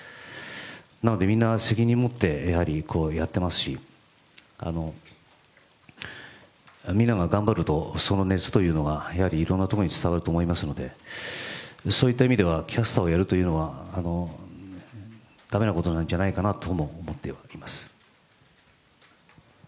なのでみんな責任をもってやっていますし、みんなが頑張ると、その熱というのがいろんなところに伝わると思いますので、そういった意味ではキャスターをやるというのは駄目なことではないんじゃないかとも思っております。